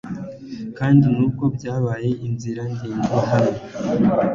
kandi nubwo byabaye inzira ndende hano